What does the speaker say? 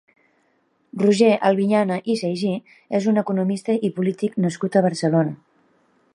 Roger Albinyana i Saigí és un economista i polític nascut a Barcelona.